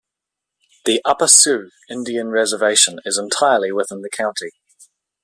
The Upper Sioux Indian Reservation is entirely within the county.